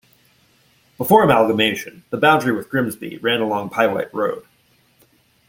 Before amalgamation the boundary with Grimsby ran along Pyewipe Road.